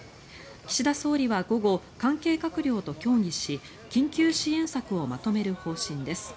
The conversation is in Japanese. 岸田総理は午後関係閣僚と協議し緊急支援策をまとめる方針です。